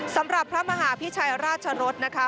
สำหรับพระมหาพิชัยราชรสนะคะ